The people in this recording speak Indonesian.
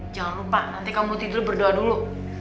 jangan lupa nanti kamu tidur berdoa dulu